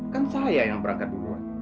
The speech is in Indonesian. kan saya yang berangkat duluan